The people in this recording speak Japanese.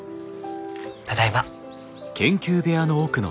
ただいま。